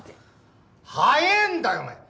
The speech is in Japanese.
早えんだよおめえ！